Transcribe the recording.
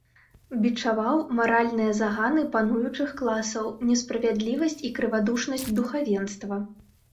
Бічаваў маральныя заганы пануючых класаў, несправядлівасць і крывадушнасць духавенства.